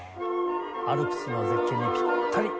アルプスの絶景にぴったり。